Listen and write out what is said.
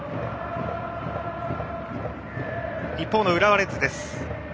一方の浦和レッズです。